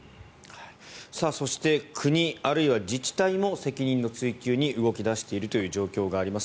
そして、国あるいは自治体も責任の追及に動き出しているという状況があります。